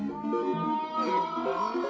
うん。